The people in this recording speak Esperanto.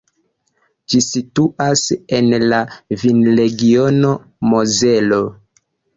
Ĝi situas en la vinregiono Mozelo.